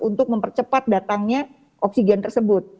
untuk mempercepat datangnya oksigen tersebut